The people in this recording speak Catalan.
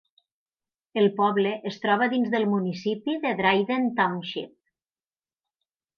El poble es troba dins del municipi de Dryden Township.